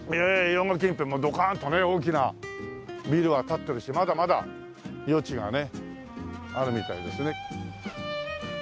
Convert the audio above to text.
用賀近辺もドカンとね大きなビルは立ってるしまだまだ余地がねあるみたいですね。